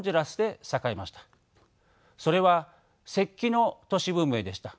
それは石器の都市文明でした。